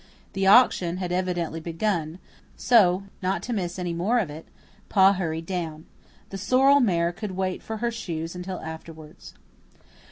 The auction had evidently begun; so, not to miss any more of it, Pa hurried down. The sorrel mare could wait for her shoes until afterwards.